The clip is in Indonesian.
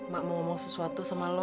mak mau ngomong sesuatu sama lo